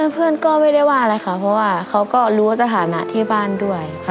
เพื่อนก็ไม่ได้ว่าอะไรค่ะเพราะว่าเขาก็รู้สถานะที่บ้านด้วย